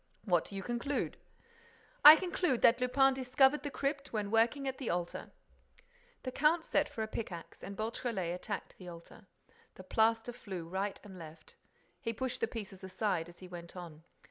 "What do you conclude?" "I conclude that Lupin discovered the crypt when working at the altar." The count sent for a pickaxe and Beautrelet attacked the altar. The plaster flew to right and left. He pushed the pieces aside as he went on.